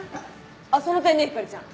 あっその点ねひかりちゃん